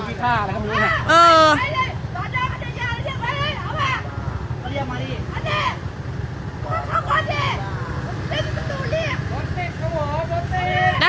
ไม่ได้ขโมยหนิ